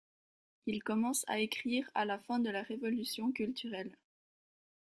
Il commence a écrire à la fin de la Révolution culturelle.